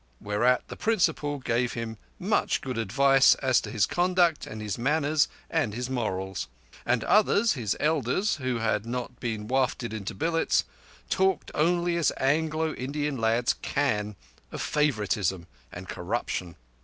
Whereat the Principal gave him much good advice as to his conduct, and his manners, and his morals; and others, his elders, who had not been wafted into billets, talked as only Anglo Indian lads can, of favouritism and corruption.